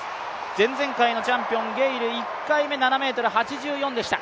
前々回のチャンピオン・ゲイル１回目、７ｍ８４でした。